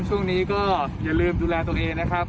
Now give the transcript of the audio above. ช่วงนี้ก็อย่าลืมดูแลตัวเองนะครับ